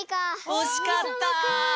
おしかった！